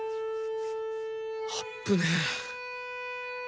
あっぶね。